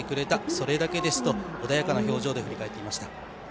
それだけですと穏やかな表情で振り返っていました。